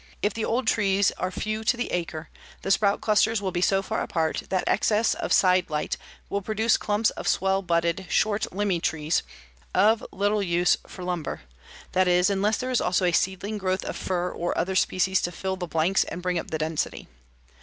If the old trees are few to the acre, the sprout clusters will be so far apart that excess of side light will produce clumps of swell butted, short limby trees, of little use for lumber; that is, unless there is also a seedling growth of fir or other species to fill the blanks and bring up the density.